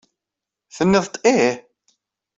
Tenniḍ-d ih?